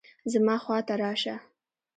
زما خوا ته راشه